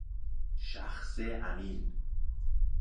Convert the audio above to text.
شخص امین